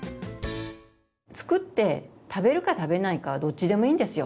作って食べるか食べないかはどっちでもいいんですよ。